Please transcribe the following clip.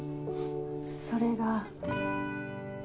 それが。